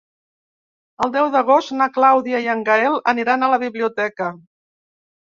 El deu d'agost na Clàudia i en Gaël aniran a la biblioteca.